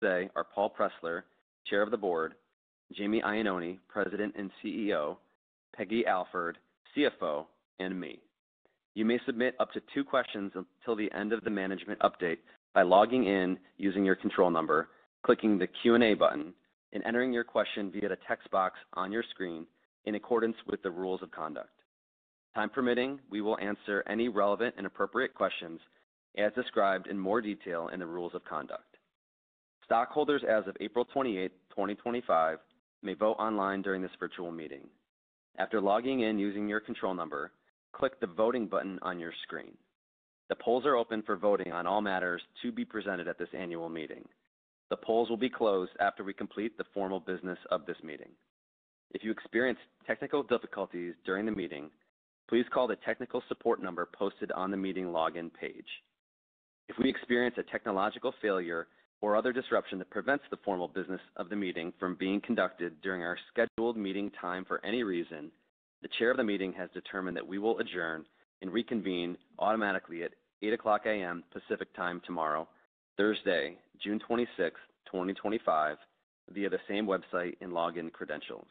Today are Paul Pressler, Chair of the Board; Jamie Iannone, President and CEO; Peggy Alford, CFO; and me. You may submit up to two questions until the end of the management update by logging in using your control number, clicking the Q&A button, and entering your question via the text box on your screen in accordance with the rules of conduct. Time permitting, we will answer any relevant and appropriate questions as described in more detail in the rules of conduct. Stockholders, as of April 28, 2025, may vote online during this virtual meeting. After logging in using your control number, click the voting button on your screen. The polls are open for voting on all matters to be presented at this annual meeting. The polls will be closed after we complete the formal business of this meeting. If you experience technical difficulties during the meeting, please call the technical support number posted on the meeting login page. If we experience a technological failure or other disruption that prevents the formal business of the meeting from being conducted during our scheduled meeting time for any reason, the Chair of the meeting has determined that we will adjourn and reconvene automatically at 8:00 A.M. Pacific Time tomorrow, Thursday, June 26, 2025, via the same website and login credentials.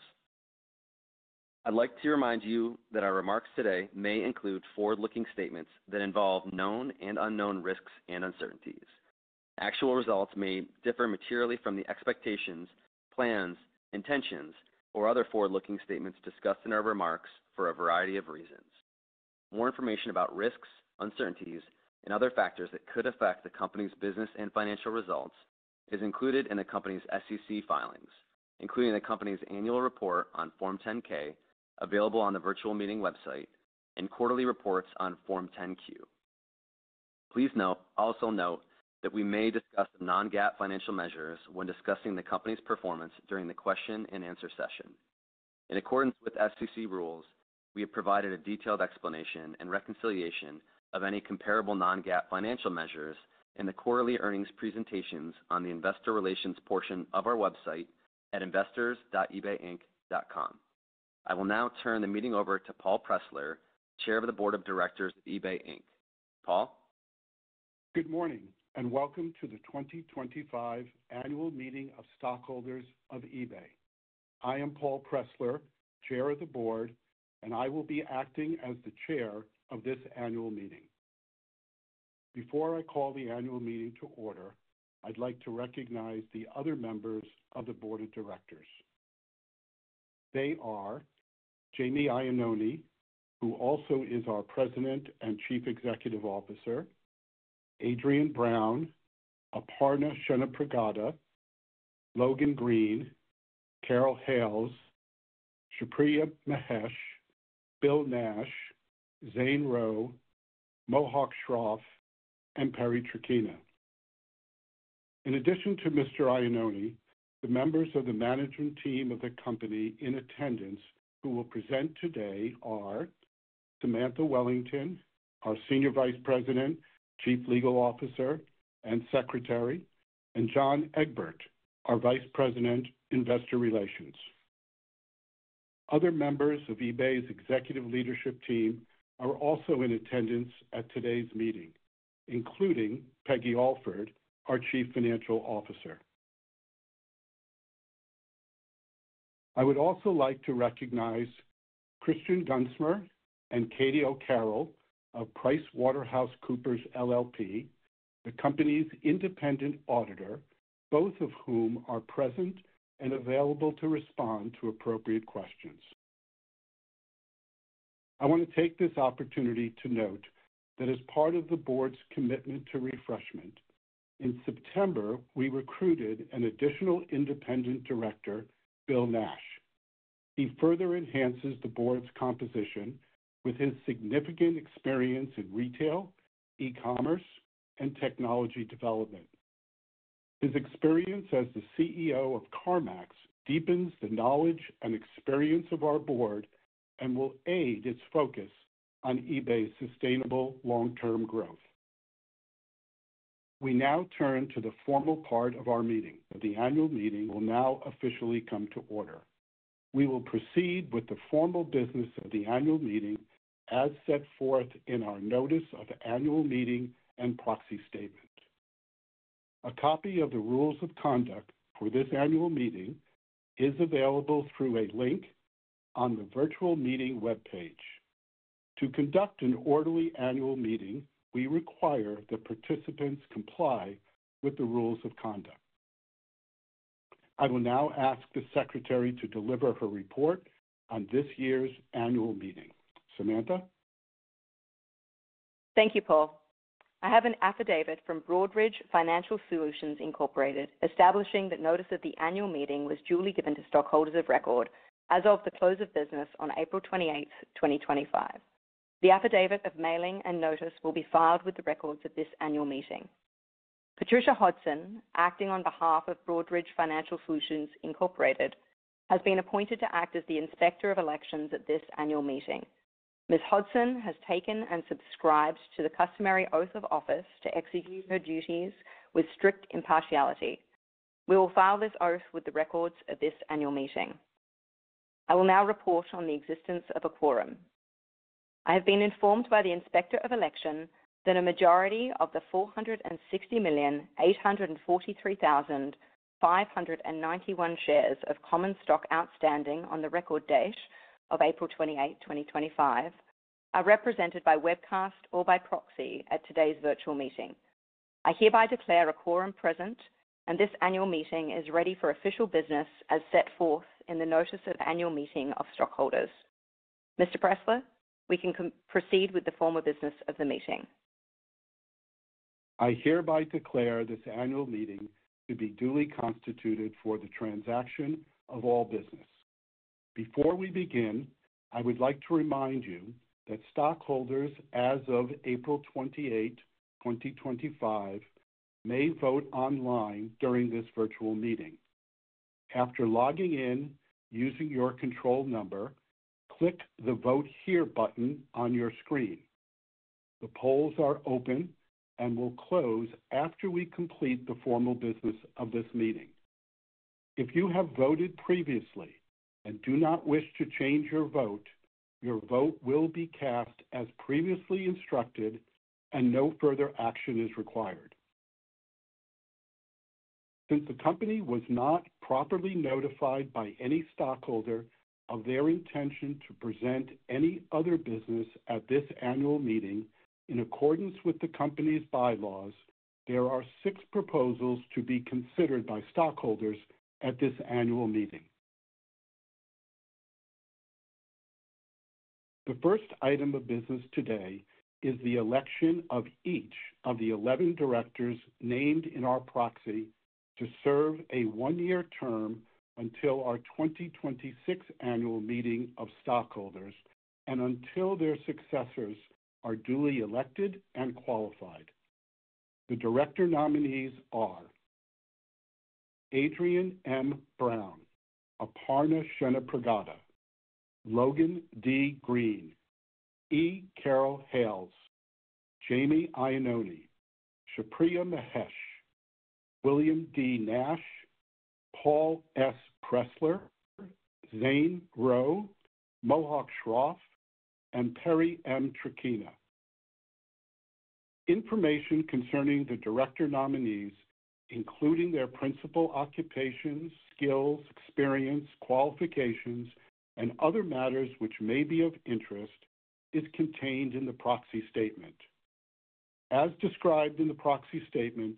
I'd like to remind you that our remarks today may include forward-looking statements that involve known and unknown risks and uncertainties. Actual results may differ materially from the expectations, plans, intentions, or other forward-looking statements discussed in our remarks for a variety of reasons. More information about risks, uncertainties, and other factors that could affect the company's business and financial results is included in the company's SEC filings, including the company's annual report on Form 10-K, available on the virtual meeting website, and quarterly reports on Form 10-Q. Please also note that we may discuss the non-GAAP financial measures when discussing the company's performance during the question-and-answer session. In accordance with SEC rules, we have provided a detailed explanation and reconciliation of any comparable non-GAAP financial measures in the quarterly earnings presentations on the investor relations portion of our website at investors.ebayinc.com. I will now turn the meeting over to Paul S. Pressler, Chair of the Board of Directors of eBay. Paul? Good morning and welcome to the 2025 Annual Meeting of Stockholders of eBay. I am Paul S. Pressler, Chair of the Board, and I will be acting as the Chair of this annual meeting. Before I call the annual meeting to order, I'd like to recognize the other members of the Board of Directors. They are Jamie Iannone, who also is our President and Chief Executive Officer; Adrian M. Brown; Aparna Shanapragada; Logan D. Green; Carol Hales; Shapriya Mahesh; Bill Nash; Zane Roe; Mohawk Shroff; and Perry M. Triquena. In addition to Mr. Iannone, the members of the management team of the company in attendance who will present today are Samantha Wellington, our Senior Vice President, Chief Legal Officer, and Secretary; and John Egbert, our Vice President, Investor Relations. Other members of eBay's executive leadership team are also in attendance at today's meeting, including Peggy Alford, our Chief Financial Officer. I would also like to recognize Christian Gunsmere and Katie O'Carroll of PricewaterhouseCoopers LLP, the company's independent auditor, both of whom are present and available to respond to appropriate questions. I want to take this opportunity to note that as part of the Board's commitment to refreshment, in September we recruited an additional independent director, Bill Nash. He further enhances the Board's composition with his significant experience in retail, e-commerce, and technology development. His experience as the CEO of CarMax deepens the knowledge and experience of our Board and will aid its focus on eBay's sustainable long-term growth. We now turn to the formal part of our meeting. The annual meeting will now officially come to order. We will proceed with the formal business of the annual meeting as set forth in our Notice of Annual Meeting and Proxy Statement. A copy of the rules of conduct for this annual meeting is available through a link on the virtual meeting webpage. To conduct an orderly annual meeting, we require the participants comply with the rules of conduct. I will now ask the Secretary to deliver her report on this year's annual meeting. Samantha? Thank you, Paul. I have an affidavit from Broadridge Financial Solutions Incorporated establishing that notice of the annual meeting was duly given to stockholders of record as of the close of business on April 28, 2025. The affidavit of mailing and notice will be filed with the records of this annual meeting. Patricia Hodson, acting on behalf of Broadridge Financial Solutions Incorporated, has been appointed to act as the Inspector of Elections at this annual meeting. Ms. Hodson has taken and subscribed to the customary oath of office to execute her duties with strict impartiality. We will file this oath with the records of this annual meeting. I will now report on the existence of a quorum. I have been informed by the Inspector of Election that a majority of the 460,843,591 shares of common stock outstanding on the record date of April 28, 2025, are represented by webcast or by proxy at today's virtual meeting. I hereby declare a quorum present, and this annual meeting is ready for official business as set forth in the Notice of Annual Meeting of Stockholders. Mr. Pressler, we can proceed with the formal business of the meeting. I hereby declare this annual meeting to be duly constituted for the transaction of all business. Before we begin, I would like to remind you that stockholders, as of April 28, 2025, may vote online during this virtual meeting. After logging in using your control number, click the Vote Here button on your screen. The polls are open and will close after we complete the formal business of this meeting. If you have voted previously and do not wish to change your vote, your vote will be cast as previously instructed and no further action is required. Since the company was not properly notified by any stockholder of their intention to present any other business at this annual meeting in accordance with the company's by laws, there are six proposals to be considered by stockholders at this annual meeting. The first item of business today is the election of each of the 11 directors named in our proxy to serve a one-year term until our 2026 annual meeting of stockholders and until their successors are duly elected and qualified. The director nominees are Adrian M. Brown, Aparna Shanapragada, Logan D. Green, E. Carol Hales, Jamie Iannone, Shapriya Mahesh, William D. Nash, Paul S. Pressler, Zane Roe, Mohawk Shroff, and Perry M. Triquena. Information concerning the director nominees, including their principal occupations, skills, experience, qualifications, and other matters which may be of interest, is contained in the proxy statement. As described in the proxy statement,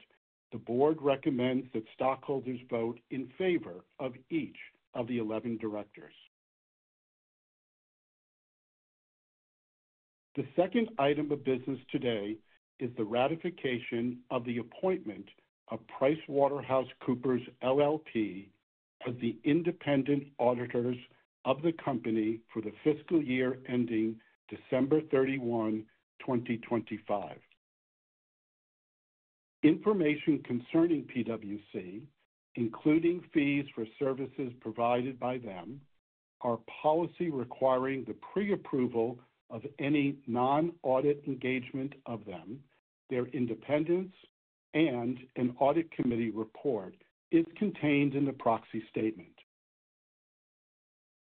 the Board recommends that stockholders vote in favor of each of the 11 directors. The second item of business today is the ratification of the appointment of PricewaterhouseCoopers LLP as the independent auditors of the company for the fiscal year ending December 31, 2025. Information concerning PWC, including fees for services provided by them, our policy requiring the pre-approval of any non-audit engagement of them, their independence, and an audit committee report is contained in the proxy statement.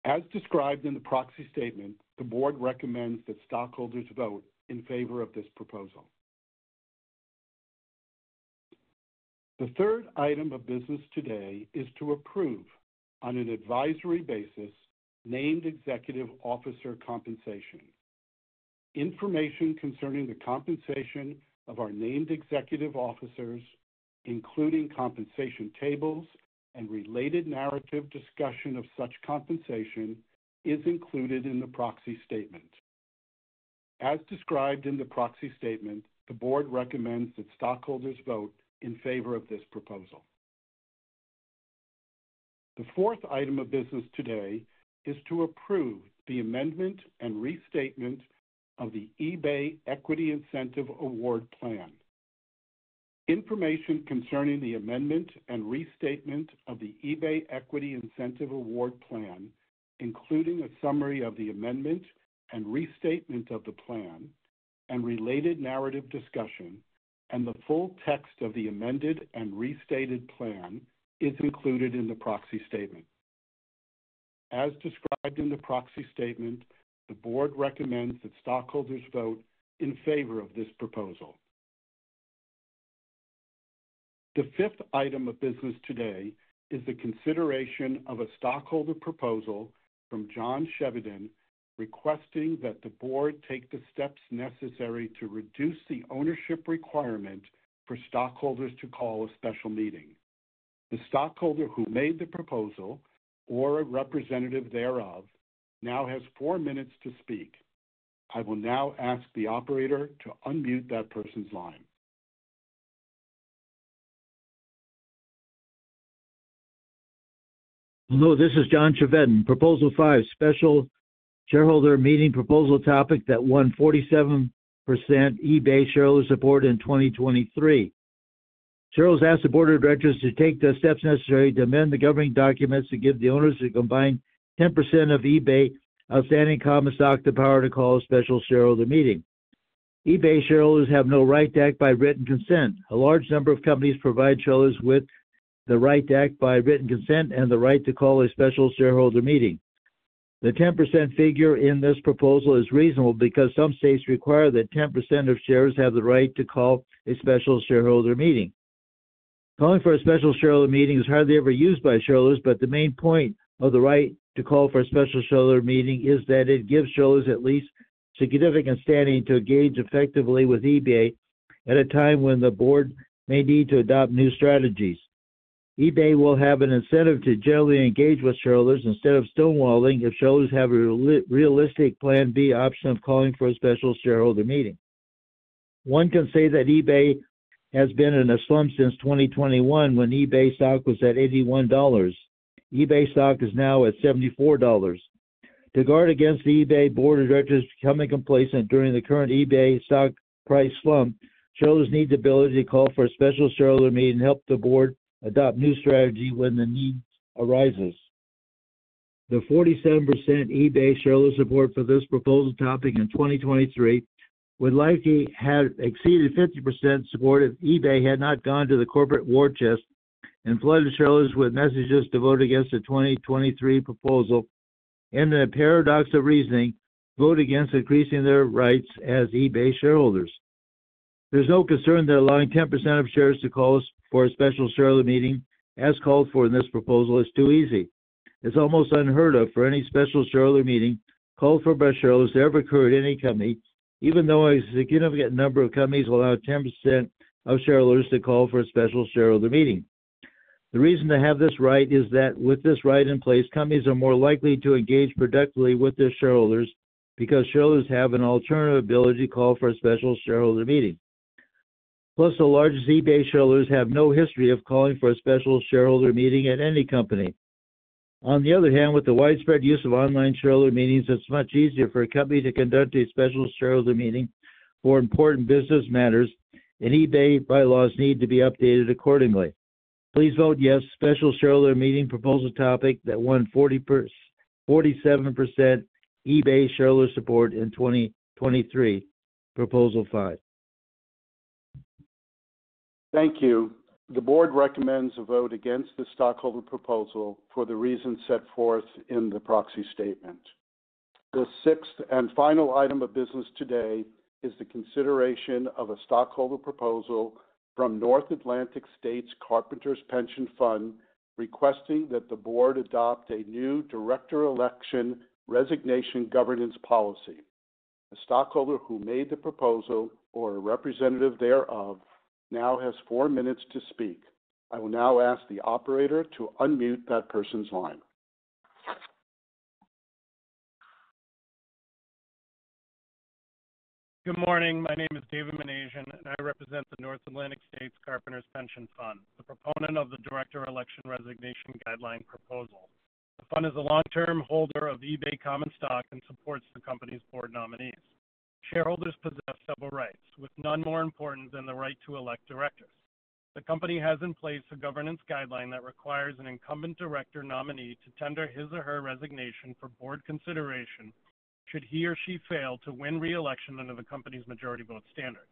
As described in the proxy statement, the Board recommends that stockholders vote in favor of this proposal. The third item of business today is to approve, on an advisory basis, named executive officer compensation. Information concerning the compensation of our named executive officers, including compensation tables and related narrative discussion of such compensation, is included in the proxy statement. As described in the proxy statement, the Board recommends that stockholders vote in favor of this proposal. The fourth item of business today is to approve the amendment and restatement of the eBay Equity Incentive Award Plan. Information concerning the amendment and restatement of the eBay Equity Incentive Award Plan, including a summary of the amendment and restatement of the plan and related narrative discussion, and the full text of the amended and restated plan is included in the proxy statement. As described in the proxy statement, the Board recommends that stockholders vote in favor of this proposal. The fifth item of business today is the consideration of a stockholder proposal from John Chevedden requesting that the Board take the steps necessary to reduce the ownership requirement for stockholders to call a special meeting. The stockholder who made the proposal or a representative there of now has four minutes to speak. I will now ask the operator to unmute that person's line. Hello, this is John Chevedden. Proposal 5, Special Shareholder Meeting Proposal topic that won 47% eBay shareholder support in 2023. Shareholders ask the Board of Directors to take the steps necessary to amend the governing documents to give the owners a combined 10% of eBay outstanding common stock the power to call a special shareholder meeting. eBay shareholders have no right to act by written consent. A large number of companies provide shareholders with the right to act by written consent and the right to call a special shareholder meeting. The 10% figure in this proposal is reasonable because some states require that 10% of shares have the right to call a special shareholder meeting. Calling for a special shareholder meeting is hardly ever used by shareholders, but the main point of the right to call for a special shareholder meeting is that it gives shareholders at least significant standing to engage effectively with eBay at a time when the Board may need to adopt new strategies. eBay will have an incentive to generally engage with shareholders instead of stonewalling if shareholders have a realistic Plan B option of calling for a special shareholder meeting. One can say that eBay has been in a slump since 2021 when eBay stock was at $81. eBay stock is now at $74. To guard against the eBay Board of Directors becoming complacent during the current eBay stock price slump, shareholders need the ability to call for a special shareholder meeting and help the Board adopt new strategies when the need arises. The 47% eBay shareholder support for this proposal topic in 2023 would likely have exceeded 50% support if eBay had not gone to the corporate war chest and flooded shareholders with messages to vote against the 2023 proposal and, in a paradox of reasoning, vote against increasing their rights as eBay shareholders. There's no concern that allowing 10% of shares to call for a special shareholder meeting as called for in this proposal is too easy. It's almost unheard of for any special shareholder meeting called for by shareholders to ever occur at any company, even though a significant number of companies will allow 10% of shareholders to call for a special shareholder meeting. The reason to have this right is that with this right in place, companies are more likely to engage productively with their shareholders because shareholders have an alternative ability to call for a special shareholder meeting. Plus, the large eBay shareholders have no history of calling for a special shareholder meeting at any company. On the other hand, with the widespread use of online shareholder meetings, it's much easier for a company to conduct a special shareholder meeting for important business matters, and eBay by laws need to be updated accordingly. Please vote yes to the special shareholder meeting proposal topic that won 47% eBay shareholder support in 2023, Proposal 5. Thank you. The Board recommends a vote against the stockholder proposal for the reasons set forth in the proxy statement. The sixth and final item of business today is the consideration of a stockholder proposal from North Atlantic States Carpenters Pension Fund requesting that the Board adopt a new director election resignation governance policy. The stockholder who made the proposal or a representative there of now has four minutes to speak. I will now ask the operator to unmute that person's line. Good morning. My name is David Minasian, and I represent the North Atlantic States Carpenters Pension Fund, the proponent of the director election resignation guideline proposal. The fund is a long-term holder of eBay common stock and supports the company's board nominees. Shareholders possess several rights, with none more important than the right to elect directors. The company has in place a governance guideline that requires an incumbent director nominee to tender his or her resignation for board consideration should he or she fail to win reelection under the company's majority vote standard.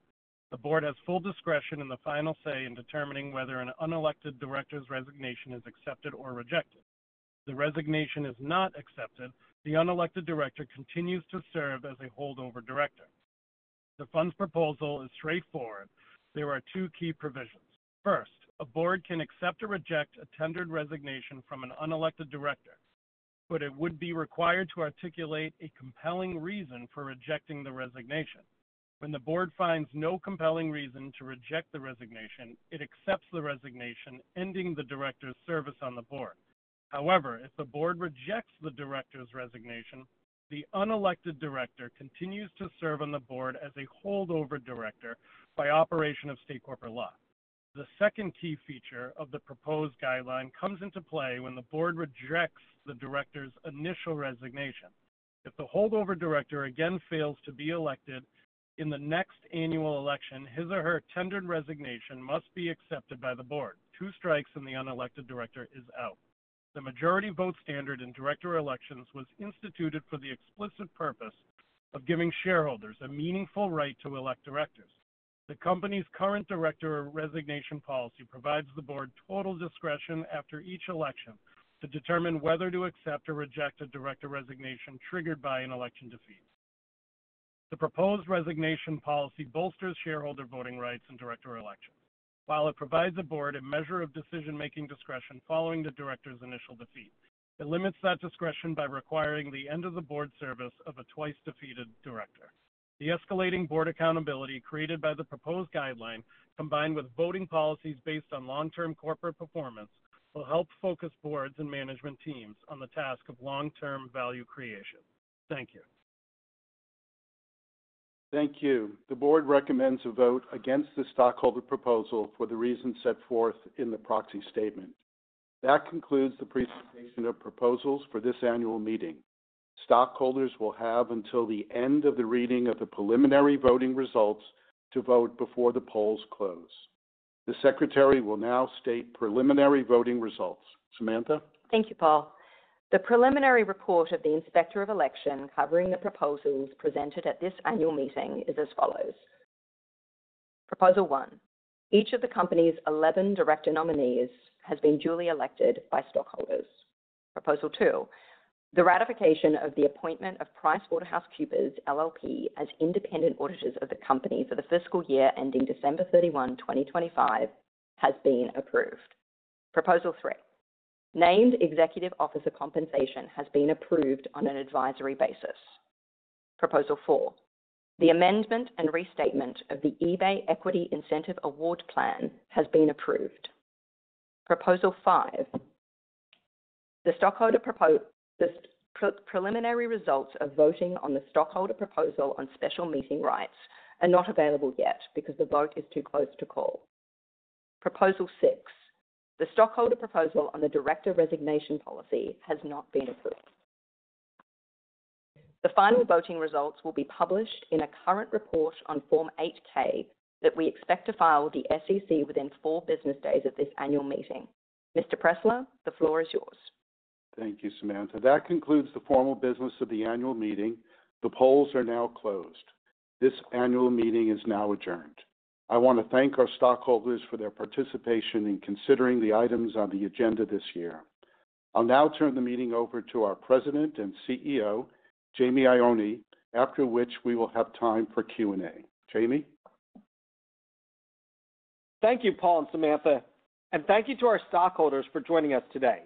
The Board has full discretion and the final say in determining whether an unelected director's resignation is accepted or rejected. If the resignation is not accepted, the unelected director continues to serve as a holdover director. The fund's proposal is straightforward. There are two key provisions. First, a Board can accept or reject a tendered resignation from an unelected director, but it would be required to articulate a compelling reason for rejecting the resignation. When the Board finds no compelling reason to reject the resignation, it accepts the resignation, ending the director's service on the Board. However, if the Board rejects the director's resignation, the unelected director continues to serve on the Board as a holdover director by operation of state corporate law. The second key feature of the proposed guideline comes into play when the Board rejects the director's initial resignation. If the holdover director again fails to be elected in the next annual election, his or her tendered resignation must be accepted by the Board. Two strikes and the unelected director is out. The majority vote standard in director elections was instituted for the explicit purpose of giving shareholders a meaningful right to elect directors. The company's current director resignation policy provides the Board total discretion after each election to determine whether to accept or reject a director resignation triggered by an election defeat. The proposed resignation policy bolsters shareholder voting rights in director elections, while it provides the Board a measure of decision-making discretion following the director's initial defeat. It limits that discretion by requiring the end of the board service of a twice-defeated director. The escalating board accountability created by the proposed guideline, combined with voting policies based on long-term corporate performance, will help focus boards and management teams on the task of long-term value creation. Thank you. Thank you. The Board recommends a vote against the stockholder proposal for the reasons set forth in the proxy statement. That concludes the presentation of proposals for this annual meeting. Stockholders will have until the end of the reading of the preliminary voting results to vote before the polls close. The Secretary will now state preliminary voting results. Samantha. Thank you, Paul. The preliminary report of the inspector of election covering the proposals presented at this annual meeting is as follows. Proposal 1, each of the company's 11 director nominees has been duly elected by stockholders. Proposal 2, the ratification of the appointment of PricewaterhouseCoopers LLP as independent auditors of the company for the fiscal year ending December 31, 2025, has been approved. Proposal 3, named executive officer compensation has been approved on an advisory basis. Proposal 4, the amendment and restatement of the eBay Equity Incentive Award Plan has been approved. Proposal 5, the stockholder proposal preliminary results of voting on the stockholder proposal on special meeting rights are not available yet because the vote is too close to call. Proposal 6, the stockholder proposal on the director resignation policy has not been approved. The final voting results will be published in a current report on Form 8-K that we expect to file with the SEC within four business days of this annual meeting. Mr. Pressler, the floor is yours. Thank you, Samantha. That concludes the formal business of the annual meeting. The polls are now closed. This annual meeting is now adjourned. I want to thank our stockholders for their participation in considering the items on the agenda this year. I'll now turn the meeting over to our President and CEO, Jamie Iannone, after which we will have time for Q&A. Jamie. Thank you, Paul and Samantha. Thank you to our stockholders for joining us today.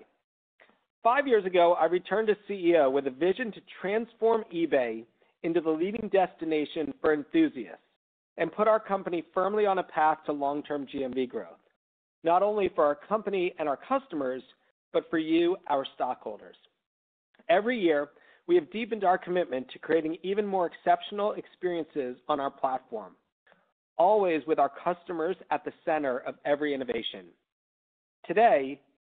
Five years ago, I returned as CEO with a vision to transform eBay into the leading destination for enthusiasts and put our company firmly on a path to long-term GMV growth, not only for our company and our customers, but for you, our stockholders. Every year, we have deepened our commitment to creating even more exceptional experiences on our platform, always with our customers at the center of every innovation. Today,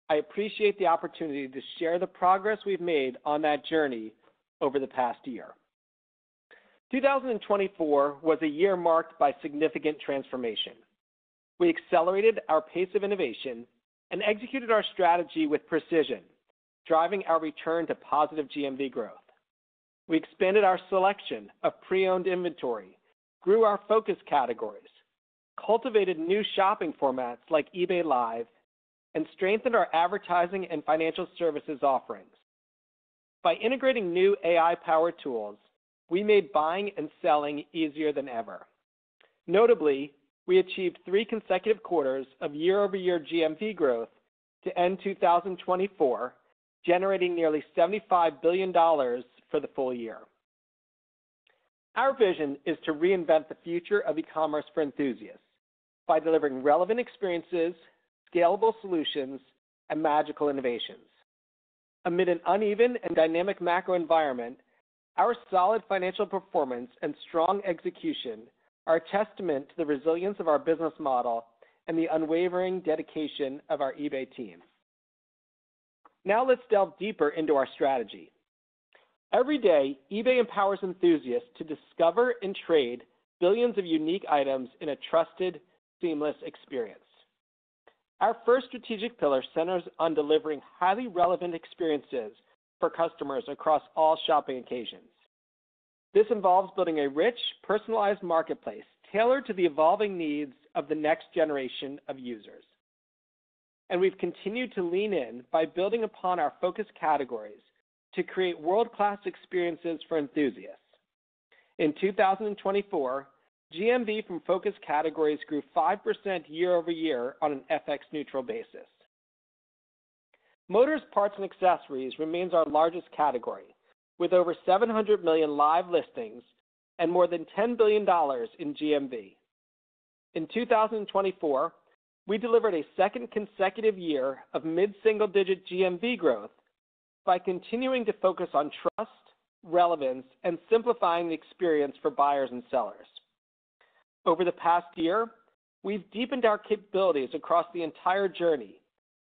I appreciate the opportunity to share the progress we have made on that journey over the past year. 2024 was a year marked by significant transformation. We accelerated our pace of innovation and executed our strategy with precision, driving our return to positive GMV growth. We expanded our selection of Pre-owned inventory, grew our focus categories, cultivated new shopping formats like eBay Live, and strengthened our advertising and Financial Services Offerings. By integrating new AI-powered tools, we made buying and selling easier than ever. Notably, we achieved three consecutive quarters of Year-over-Year GMV growth to end 2024, generating nearly $75 billion for the full year. Our vision is to reinvent the future of e-commerce for enthusiasts by delivering relevant experiences, scalable solutions, and magical innovations. Amid an uneven and dynamic macro environment, our solid financial performance and strong execution are a testament to the resilience of our business model and the unwavering dedication of our eBay team. Now let's delve deeper into our strategy. Every day, eBay empowers enthusiasts to discover and trade billions of unique items in a trusted, seamless experience. Our first strategic pillar centers on delivering highly relevant experiences for customers across all shopping occasions. This involves building a rich, personalized marketplace tailored to the evolving needs of the next generation of users. We have continued to lean in by building upon our focus categories to create world-class experiences for enthusiasts. In 2024, GMV from focus categories grew 5% Year-over-Year on an FX-neutral basis. Motors, parts, and accessories remains our largest category, with over 700 million live listings and more than $10 billion in GMV. In 2024, we delivered a second consecutive year of mid-single-digit GMV growth by continuing to focus on trust, relevance, and simplifying the experience for buyers and sellers. Over the past year, we have deepened our capabilities across the entire journey,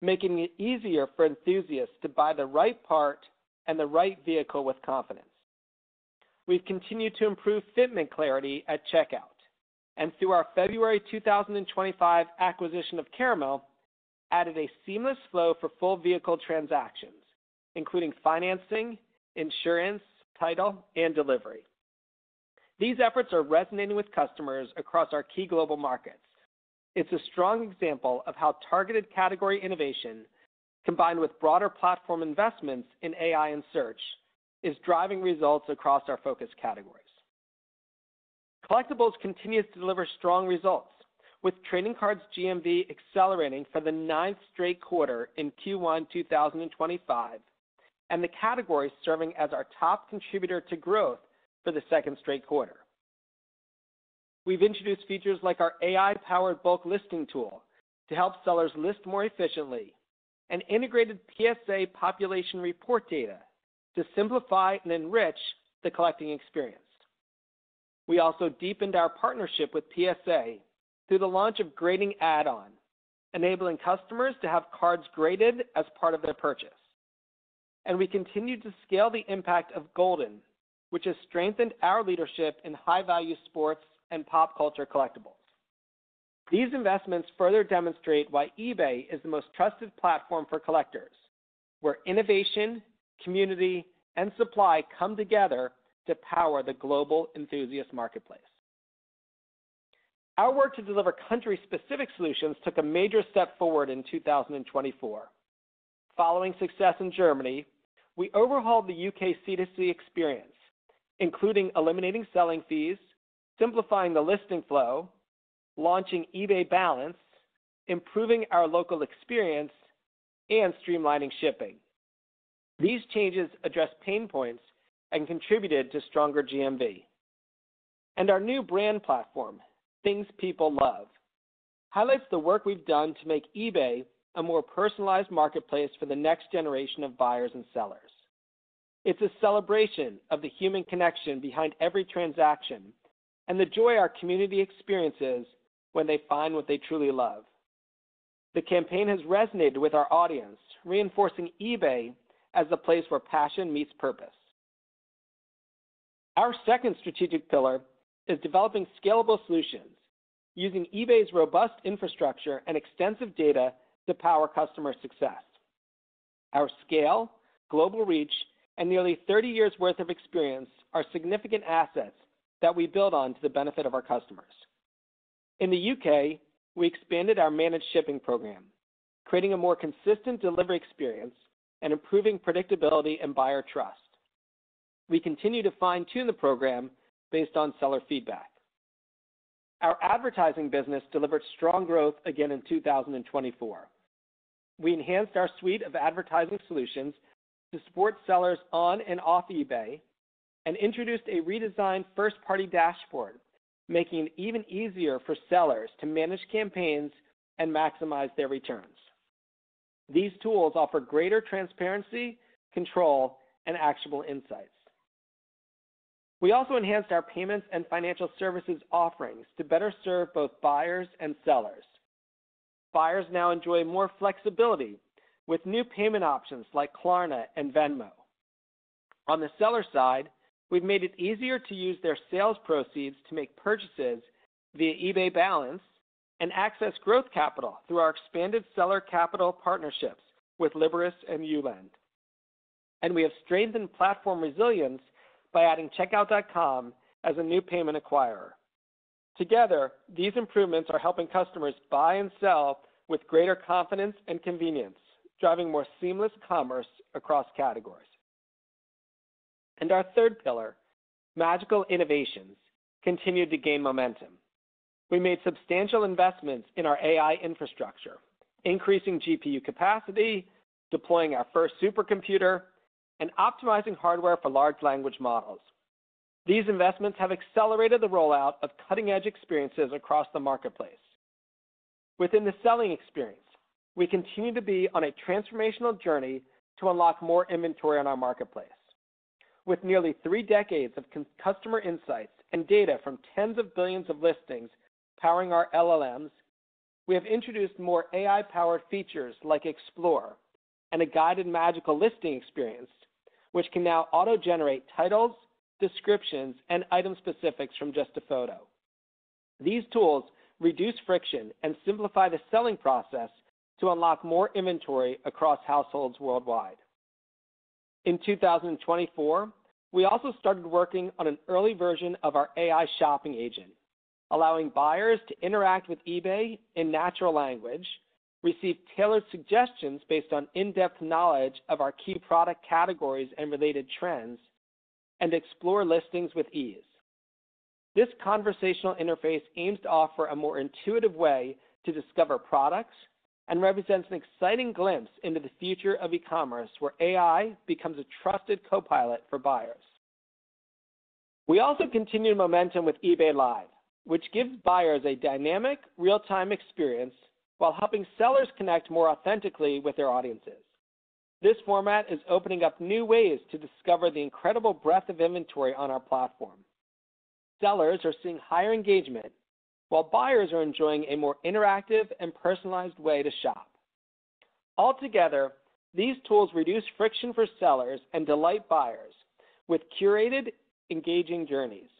making it easier for enthusiasts to buy the right part and the right vehicle with confidence. We've continued to improve fitment clarity at checkout and, through our February 2025 acquisition of Caramel, added a seamless flow for full vehicle transactions, including financing, insurance, title, and delivery. These efforts are resonating with customers across our key global markets. It's a strong example of how targeted category innovation, combined with broader platform investments in AI and search, is driving results across our focus categories. Collectibles continues to deliver strong results, with trading cards GMV accelerating for the ninth straight quarter in Q1 2025 and the category serving as our top contributor to growth for the second straight quarter. We've introduced features like our AI-powered bulk listing tool to help sellers list more efficiently and integrated PSA population report data to simplify and enrich the collecting experience. We also deepened our partnership with PSA through the launch of Grading Add-on, enabling customers to have cards graded as part of their purchase. We continue to scale the impact of Goldin, which has strengthened our leadership in high-value sports and pop culture collectibles. These investments further demonstrate why eBay is the most trusted platform for collectors, where innovation, community, and supply come together to power the global enthusiast marketplace. Our work to deliver country-specific solutions took a major step forward in 2024. Following success in Germany, we overhauled the U.K. C2C experience, including eliminating selling fees, simplifying the listing flow, launching eBay Balance, improving our local experience, and streamlining shipping. These changes addressed pain points and contributed to stronger GMV. Our new brand platform, Things People Love, highlights the work we have done to make eBay a more personalized marketplace for the next generation of buyers and sellers. It's a celebration of the human connection behind every transaction and the joy our community experiences when they find what they truly love. The campaign has resonated with our audience, reinforcing eBay as a place where passion meets purpose. Our second strategic pillar is developing scalable solutions using eBay's robust infrastructure and extensive data to power customer success. Our scale, global reach, and nearly 30 years' worth of experience are significant assets that we build on to the benefit of our customers. In the U.K., we expanded our managed shipping program, creating a more consistent delivery experience and improving predictability and buyer trust. We continue to fine-tune the program based on seller feedback. Our advertising business delivered strong growth again in 2024. We enhanced our suite of advertising solutions to support sellers on and off eBay and introduced a redesigned first-party dashboard, making it even easier for sellers to manage campaigns and maximize their returns. These tools offer greater transparency, control, and actionable insights. We also enhanced our payments and financial services offerings to better serve both buyers and sellers. Buyers now enjoy more flexibility with new payment options like Klarna and Venmo. On the seller side, we've made it easier to use their sales proceeds to make purchases via eBay Balance and access growth capital through our expanded seller Capital Partnerships with Liberis and Ulend. We have strengthened platform resilience by adding Checkout.com as a new payment acquire. Together, these improvements are helping customers buy and sell with greater confidence and convenience, driving more seamless commerce across categories. Our third pillar, magical innovations, continued to gain momentum. We made substantial investments in our AI infrastructure, increasing GPU capacity, deploying our first supercomputer, and optimizing hardware for large language models. These investments have accelerated the rollout of cutting-edge experiences across the marketplace. Within the selling experience, we continue to be on a transformational journey to unlock more inventory on our marketplace. With nearly three decades of customer insights and data from tens of billions of listings powering our LLMs, we have introduced more AI-powered features like Explore and a guided magical listing experience, which can now auto-generate titles, descriptions, and item specifics from just a photo. These tools reduce friction and simplify the selling process to unlock more inventory across households worldwide. In 2024, we also started working on an early version of our AI shopping agent, allowing buyers to interact with eBay in natural language, receive tailored suggestions based on in-depth knowledge of our key product categories and related trends, and explore listings with ease. This conversational interface aims to offer a more intuitive way to discover products and represents an exciting glimpse into the future of e-commerce, where AI becomes a trusted co-pilot for buyers. We also continue momentum with eBay Live, which gives buyers a dynamic, Real-time experience while helping sellers connect more authentically with their audiences. This format is opening up new ways to discover the incredible breadth of inventory on our platform. Sellers are seeing higher engagement, while buyers are enjoying a more interactive and personalized way to shop. Altogether, these tools reduce friction for sellers and delight buyers with curated, engaging journeys.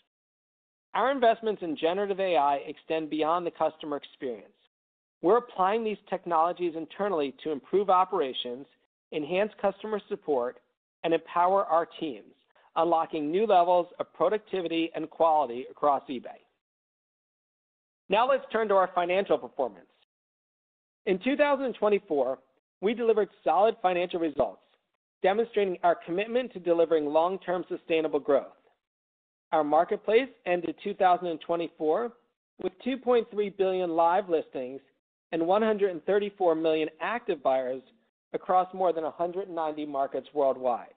Our investments in generative AI extend beyond the customer experience. We're applying these technologies internally to improve operations, enhance customer support, and empower our teams, unlocking new levels of productivity and quality across eBay. Now let's turn to our financial performance. In 2024, we delivered solid financial results, demonstrating our commitment to delivering long-term sustainable growth. Our marketplace ended 2024 with 2.3 billion live listings and 134 million active buyers across more than 190 markets worldwide.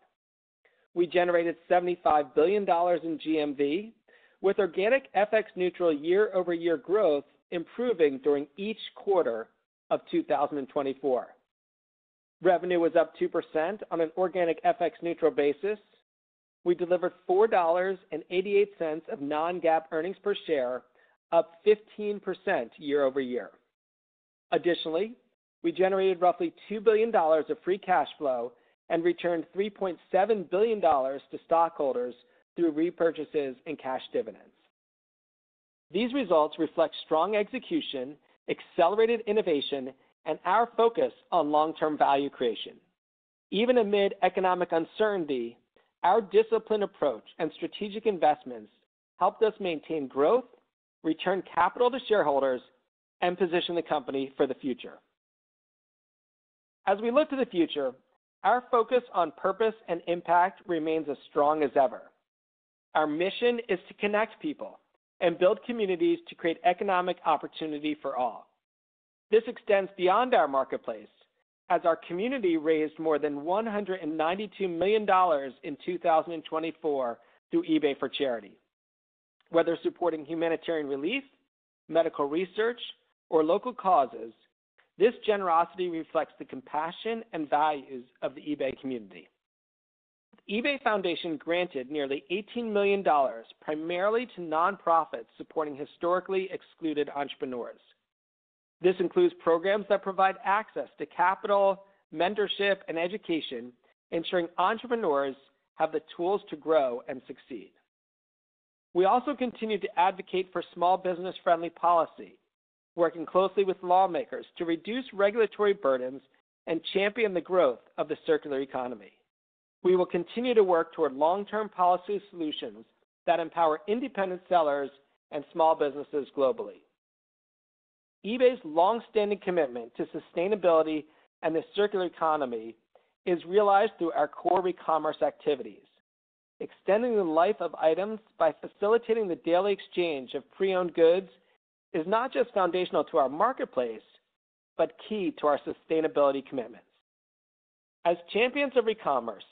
We generated $75 billion in GMV, with organic FX-neutral Year-over-Year growth improving during each quarter of 2024. Revenue was up 2% on an organic FX-neutral basis. We delivered $4.88 of non-GAAP earnings per share, up 15% Year-over-Year. Additionally, we generated roughly $2 billion of free cash flow and returned $3.7 billion to stockholders through repurchases and cash dividends. These results reflect strong execution, accelerated innovation, and our focus on long-term value creation. Even amid economic uncertainty, our disciplined approach and strategic investments helped us maintain growth, return capital to shareholders, and position the company for the future. As we look to the future, our focus on purpose and impact remains as strong as ever. Our mission is to connect people and build communities to create economic opportunity for all. This extends beyond our marketplace, as our community raised more than $192 million in 2024 through eBay for charity. Whether supporting humanitarian relief, medical research, or local causes, this generosity reflects the compassion and values of the eBay community. The eBay Foundation granted nearly $18 million, primarily to nonprofits supporting historically excluded entrepreneurs. This includes programs that provide access to capital, mentorship, and education, ensuring entrepreneurs have the tools to grow and succeed. We also continue to advocate for small business-friendly policy, working closely with lawmakers to reduce regulatory burdens and champion the growth of the circular economy. We will continue to work toward long-term policy solutions that empower independent sellers and small businesses globally. eBay's long-standing commitment to sustainability and the circular economy is realized through our core e-commerce activities. Extending the life of items by facilitating the daily exchange of pre-owned goods is not just foundational to our marketplace, but key to our sustainability commitments. As champions of e-commerce,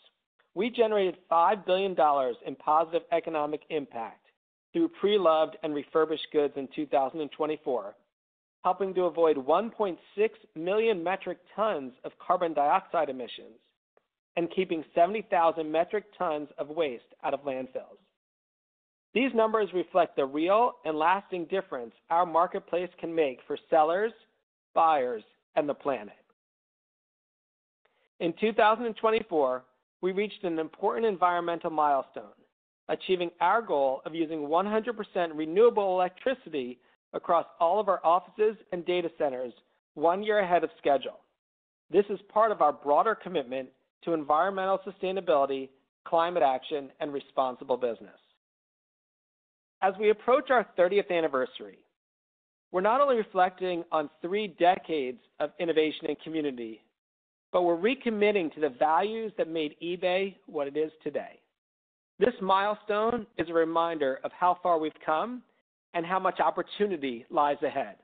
we generated $5 billion in positive economic impact through pre-loved and refurbished goods in 2024, helping to avoid 1.6 million metric tons of carbon dioxide emissions and keeping 70,000 metric tons of waste out of landfills. These numbers reflect the real and lasting difference our marketplace can make for sellers, buyers, and the planet. In 2024, we reached an important environmental milestone, achieving our goal of using 100% renewable electricity across all of our offices and data centers one year ahead of schedule. This is part of our broader commitment to environmental sustainability, climate action, and responsible business. As we approach our 30th anniversary, we're not only reflecting on three decades of innovation and community, but we're recommitting to the values that made eBay what it is today. This milestone is a reminder of how far we've come and how much opportunity lies ahead.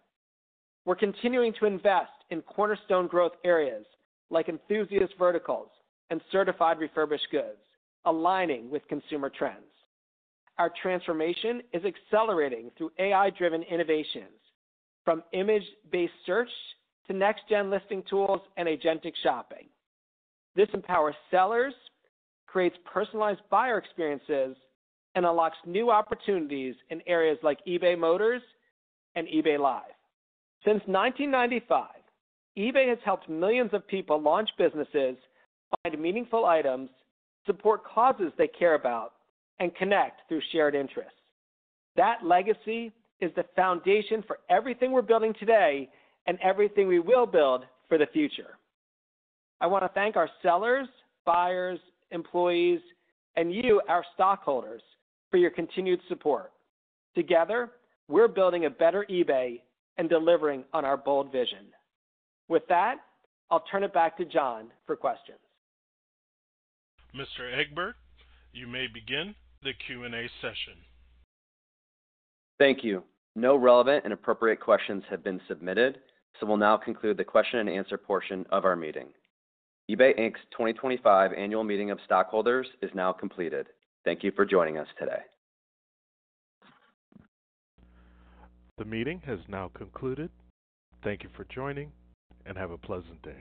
We're continuing to invest in cornerstone growth areas like enthusiast verticals and certified refurbished goods, aligning with consumer trends. Our transformation is accelerating through AI-driven innovations, from image-based search to next-gen listing tools and agentic shopping. This empowers sellers, creates personalized buyer experiences, and unlocks new opportunities in areas like eBay Motors and eBay Live. Since 1995, eBay has helped millions of people launch businesses, find meaningful items, support causes they care about, and connect through shared interests. That legacy is the foundation for everything we're building today and everything we will build for the future. I want to thank our sellers, buyers, employees, and you, our stockholders, for your continued support. Together, we're building a better eBay and delivering on our bold vision. With that, I'll turn it back to John for questions. Mr. Egbert, you may begin the Q&A session. Thank you. No relevant and appropriate questions have been submitted, so we'll now conclude the question-and-answer portion of our meeting. eBay's 2025 Annual Meeting of Stockholders is now completed. Thank you for joining us today. The meeting has now concluded. Thank you for joining, and have a pleasant day.